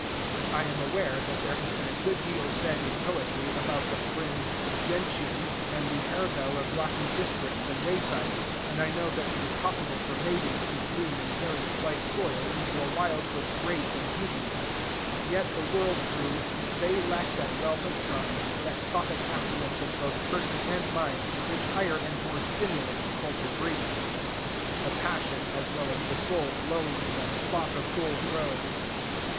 I am aware that there has been a good deal said in poetry about the fringed gentian and the harebell of rocky districts and waysides, and I know that it is possible for maidens to bloom in very slight soil into a wild wood grace and beauty; yet, the world through, they lack that wealth of charms, that tropic affluence of both person and mind, which higher and more stimulating culture brings, the passion as well as the soul glowing in the Cloth of Gold rose.